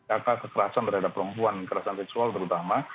angka kekerasan berhadap perempuan kekerasan seksual terutama